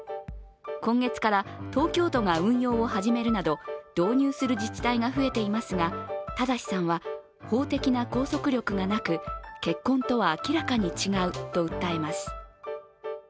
今月から東京都が運用を始めるなど導入する自治体が増えていますがただしさんは法的な拘束力がなく、結婚とは明らかに違うと訴えます。